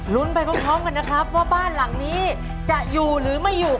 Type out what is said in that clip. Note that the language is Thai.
ไปพร้อมกันนะครับว่าบ้านหลังนี้จะอยู่หรือไม่อยู่